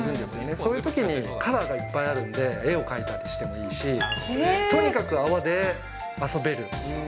そういうときに、カラーがいっぱいあるんで、絵を描いたりしてもいいし、とにかく泡で遊べる。